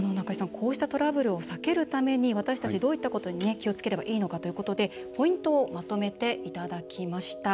こうしたトラブルを避けるために私たち、どういったことに気をつければいいのかということでポイントをまとめていただきました。